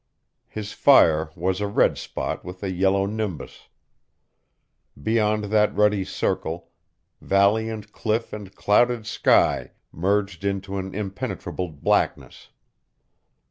His fire was a red spot with a yellow nimbus. Beyond that ruddy circle, valley and cliff and clouded sky merged into an impenetrable blackness.